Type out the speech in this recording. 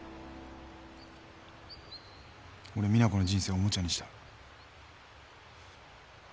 俺実那子の人生おもちゃにした。